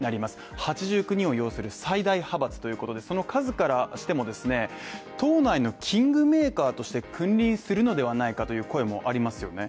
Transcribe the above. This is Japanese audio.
８０人を擁する最大派閥ということでその数からしてもですね、党内のキングメーカーとして君臨するのではないかという声もありますよね。